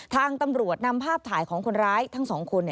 ทางตำรวจนำภาพถ่ายของคนร้ายทั้งสองคน